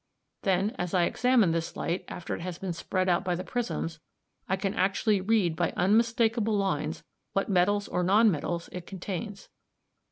Then, as I examine this light after it has been spread out by the prisms, I can actually read by unmistakable lines what metals or non metals it contains.